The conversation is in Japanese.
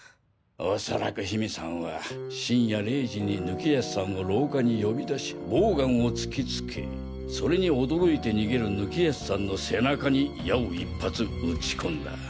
おそらく緋美さんは深夜零時に貫康さんを廊下に呼び出しボウガンを突きつけそれに驚いて逃げる貫康さんの背中に矢を一発撃ち込んだ。